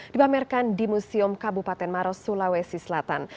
dipamerkan di museum kabupaten maros sulawesi selatan